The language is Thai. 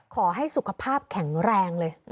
ขอให้สุขภาพแข็งแรงเลย